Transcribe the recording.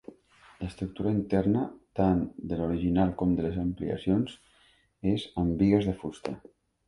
L'estructura interna, tant de l'original com de les ampliacions és amb bigues de fusta.